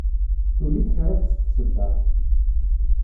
Tuli tekriṭ s tseddart.